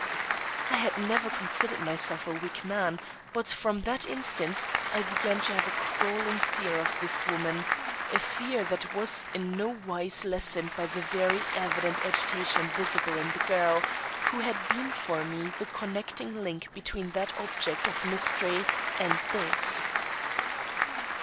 I had never considered myself a weak man, but, from that instant, I began to have a crawling fear of this woman a fear that was in nowise lessened by the very evident agitation visible in the girl, who had been for me the connecting link between that object of mystery and this.